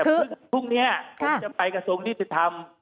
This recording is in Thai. พุ่งนี้ครับจะไปกระทรงนิสธรรม